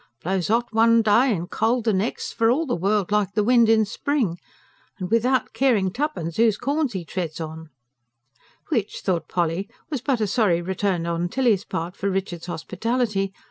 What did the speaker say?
Blows hot one day and cold the next, for all the world like the wind in spring. And without caring twopence whose corns 'e treads on." Which, thought Polly, was but a sorry return on Tilly's part for Richard's hospitality.